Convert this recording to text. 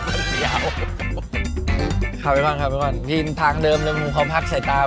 เปลี่ยวครับเอควัลครับเอควัลพี่อินทางเดิมเลยมงคล้าพักใส่ตา